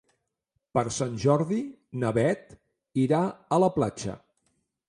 Per Sant Jordi na Beth irà a la platja.